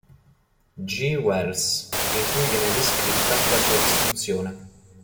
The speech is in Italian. G. Wells, in cui viene descritta la sua distruzione.